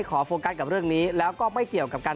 โฟกัสกับเรื่องนี้แล้วก็ไม่เกี่ยวกับการ